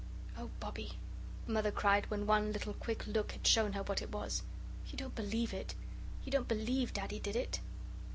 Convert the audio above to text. "Oh, Bobbie," Mother cried, when one little quick look had shown her what it was, "you don't BELIEVE it? You don't believe Daddy did it?"